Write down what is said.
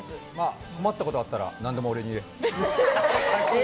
困ったことあったら何でも俺に言え。